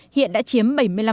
hiện đã chiếm bảy mươi năm